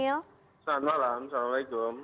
selamat malam assalamualaikum